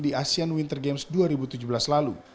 di asean winter games dua ribu tujuh belas lalu